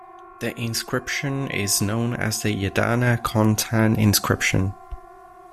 The inscription is known as the 'Yadana Kon Htan Inscription'.